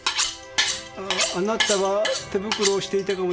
あなたは手袋をしていたかもしれない。